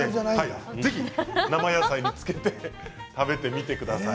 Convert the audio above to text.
ぜひ生野菜につけて食べてみてください。